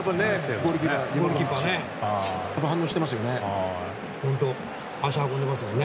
ゴールキーパー反応してますよね。